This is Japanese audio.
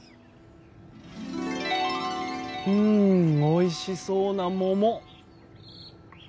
うんおいしそうな桃。